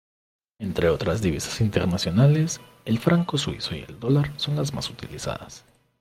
Entre otras divisas internacionales, el franco suizo y dólar son las más utilizadas.